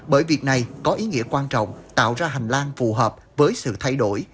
bởi việc này có ý nghĩa quan trọng tạo ra hành lang phù hợp với sự thay đổi